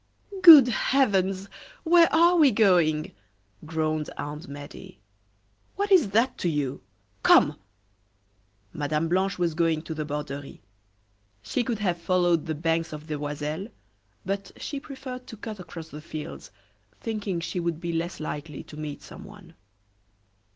"Good heavens! Where are we going?" groaned Aunt Medea. "What is that to you? Come!" Mme. Blanche was going to the Borderie. She could have followed the banks of the Oiselle, but she preferred to cut across the fields, thinking she would be less likely to meet someone.